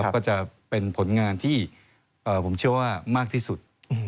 ก็จะเป็นผลงานที่ผมเชื่อว่ามากที่สุด